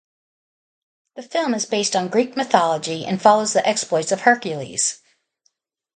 The film is based on Greek mythology and follows the exploits of Hercules.